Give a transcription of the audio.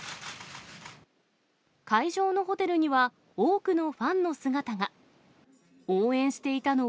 会場のホテルには、多くのファンの姿が。